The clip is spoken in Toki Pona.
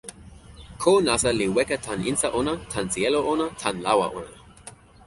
ko nasa li weka tan insa ona, tan sijelo ona, tan lawa ona.